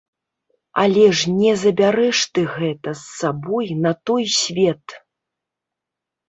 Але ж не забярэш ты гэта з сабой на той свет!